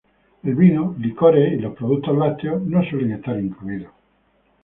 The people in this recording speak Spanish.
El vino, licores y los productos lácteos no suelen estar incluidos.